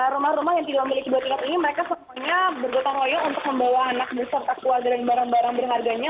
dan rumah rumah yang tidak memiliki dua tingkat ini mereka semuanya bergotong royong untuk membawa anak beserta keluarga dan barang barang bernagangnya